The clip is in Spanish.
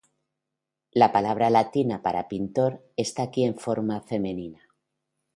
La palabra latina para "pintor" aquí está en forma femenina.